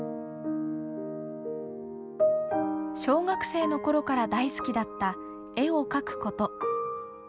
小学生の頃から大好きだった絵を描くこと。